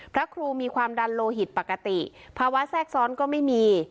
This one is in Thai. พระครูมีความดันโลหิตปกติภาวะแทรกซ้อนก็ไม่มี